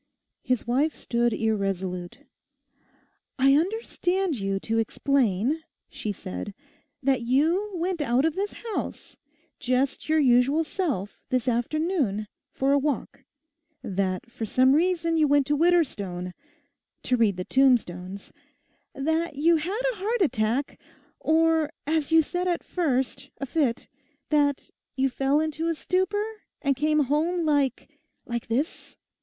His wife stood irresolute. 'I understand you to explain,' she said, 'that you went out of this house, just your usual self, this afternoon, for a walk; that for some reason you went to Widderstone—"to read the tombstones," that you had a heart attack, or, as you said at first, a fit, that you fell into a stupor, and came home like—like this.